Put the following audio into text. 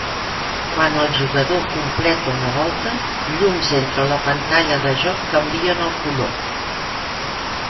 Quan el jugador completa una volta, llums entre la pantalla de joc canvien el color.